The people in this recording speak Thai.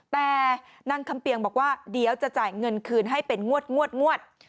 แต่นางคำเปียงบอกว่าเดี๋ยวจะจ่ายเงินคืนให้เป็นงวด